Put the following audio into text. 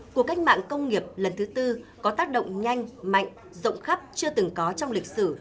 cuộc cách mạng công nghiệp lần thứ tư có tác động nhanh mạnh rộng khắp chưa từng có trong lịch sử